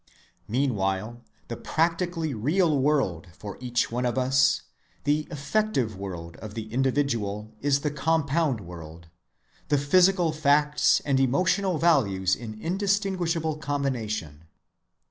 Meanwhile the practically real world for each one of us, the effective world of the individual, is the compound world, the physical facts and emotional values in indistinguishable combination.